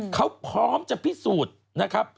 เขาพร้อมจะพิสูจน์นะครับ